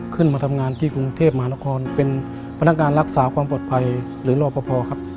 ขึ้นมาทำงานที่กรุงเทพมหานครเป็นพนักงานรักษาความปลอดภัยหรือรอปภครับ